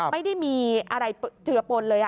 ไม่ได้มีอะไรเจือปนเลย